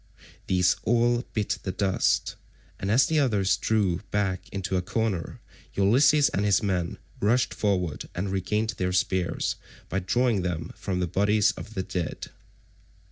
These all bit the dust, and as the others drew back into a corner Ulysses and his men rushed forward and regained their spears by drawing them from the bodies of the dead.